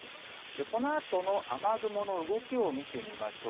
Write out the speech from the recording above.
このあとの雨雲の動きを見てみましょう。